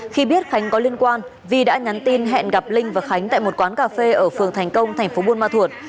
khi biết khánh có liên quan vi đã nhắn tin hẹn gặp linh và khánh tại một quán cà phê ở phường thành công thành phố buôn ma thuột